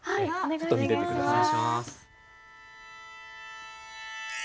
ちょっと見てて下さい。